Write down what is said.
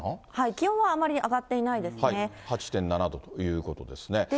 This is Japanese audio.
気温はあまり上がっていない８．７度ということですね。